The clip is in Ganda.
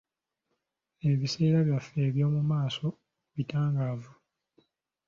Ebiseera byaffe eby'omu maaso bitangaavu.